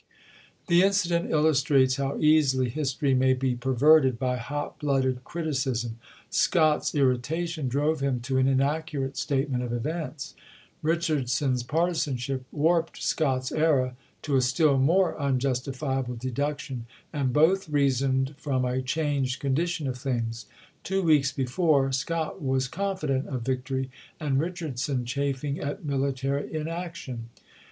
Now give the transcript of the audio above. The incident illustrates how easily history may be perverted by hot blooded criticism. Scott's irri tation drove him to an inaccurate statement of events; Eichardson's partisanship warped Scott's error to a still more unjustifiable deduction, and both reasoned from a changed condition of things. Two weeks before, Scott was confident of victory, and Eichardson chafing at military inaction.